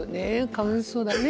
かわいそうだね。